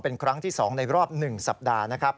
เป็นครั้งที่๒ในรอบ๑สัปดาห์นะครับ